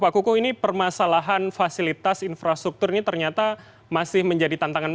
pak kuku ini permasalahan fasilitas infrastruktur ini ternyata masih menjadi tantangan